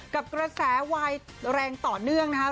กับกระแสวายแรงต่อเนื่องนะครับ